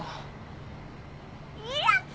やった。